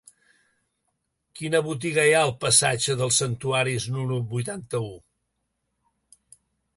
Quina botiga hi ha al passatge dels Santuaris número vuitanta-u?